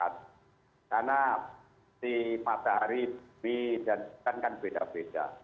karena di matahari bumi dan petan kan beda beda